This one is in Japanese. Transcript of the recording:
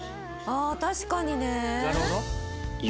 ああ確かにね。